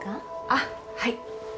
あっはい。